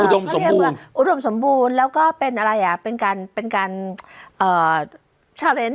อุดมสมบูรณ์อุดมสมบูรณ์แล้วก็เป็นอะไรอ่ะเป็นการเป็นการเอ่อ